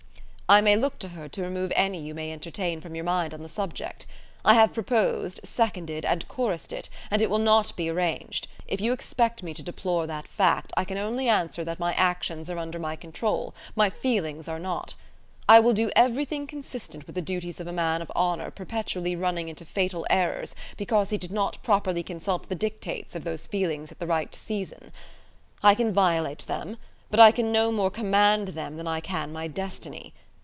I may look to her to remove any you may entertain from your mind on the subject. I have proposed, seconded, and chorussed it, and it will not be arranged. If you expect me to deplore that fact, I can only answer that my actions are under my control, my feelings are not. I will do everything consistent with the duties of a man of honour perpetually running into fatal errors because he did not properly consult the dictates of those feelings at the right season. I can violate them: but I can no more command them than I can my destiny.